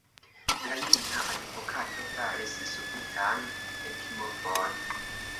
La juna advokato faris subitan ekmovon.